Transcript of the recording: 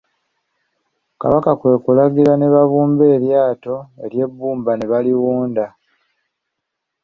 Kabaka kwe kulagira ne babumba eryato ery'ebbumba ne baliwunda.